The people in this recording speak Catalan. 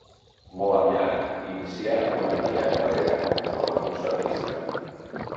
Molt aviat inicià una brillant carrera com a concertista.